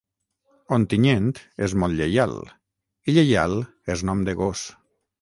Ontinyent és molt lleial, i Lleial és nom de gos.